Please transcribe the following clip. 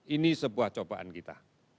ini sebuah cobaan kita